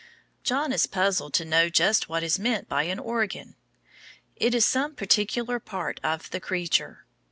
John is puzzled to know just what is meant by an organ. It is some particular part of the creature.